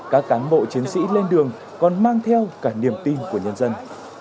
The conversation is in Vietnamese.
các cán bộ chiến sĩ lên đường còn mang theo cả niềm tin của nhân dân